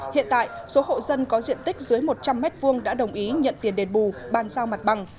hiện tại số hộ dân có diện tích dưới một trăm linh m hai đã đồng ý nhận tiền đền bù ban giao mặt bằng